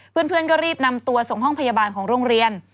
เพื่อนก็รีบนำตัวส่งห้องพยาบาลของโรงเรียน